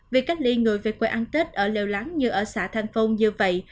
việc cách ly người về quê ăn tết ở lèo lãng như ở xã thành phong như vậy